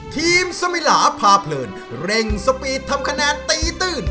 สมิลาพาเพลินเร่งสปีดทำคะแนนตีตื้น